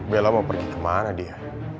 bela mau pergi kemana dia